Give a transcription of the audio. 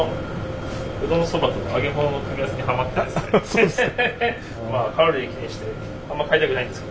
そうですか。